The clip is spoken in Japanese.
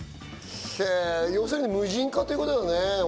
要するに無人化ってことだね。